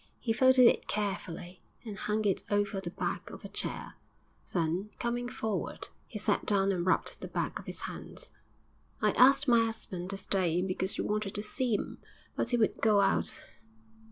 He folded it carefully, and hung it over the back of a chair; then, coming forward, he sat down and rubbed the back of his hands. 'I asked my 'usband to stay in because you wanted to see 'im, but he would go out.